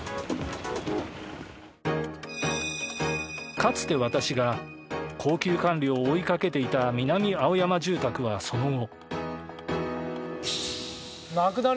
かつて私が高級官僚を追いかけていた南青山住宅はその後。